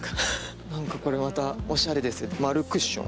何かこれまたオシャレです丸クッション。